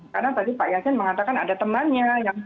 karena tadi pak yasin mengatakan ada temannya